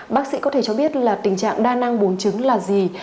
bác sĩ có thể cho biết là tình trạng đa năng bùn trứng là gì